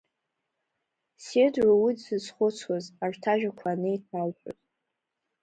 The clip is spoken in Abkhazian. Сеидроу уи дзызхәыцуаз, арҭ ажәақәа анеиҭалҳәоз.